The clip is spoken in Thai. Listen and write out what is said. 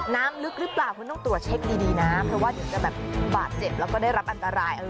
น้ำลึกหรือเปล่าคุณต้องตรวจเช็คดีนะเพราะว่าเดี๋ยวจะแบบบาดเจ็บแล้วก็ได้รับอันตราย